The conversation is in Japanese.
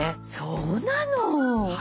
そうなの！